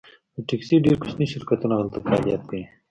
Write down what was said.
د ټکسي ډیر کوچني شرکتونه هلته فعالیت کوي